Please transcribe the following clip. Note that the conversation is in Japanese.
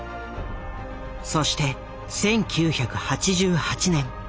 そして１９８８年。